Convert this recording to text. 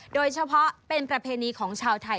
โดยเฉพาะเป็นประเพณีของชาวไทย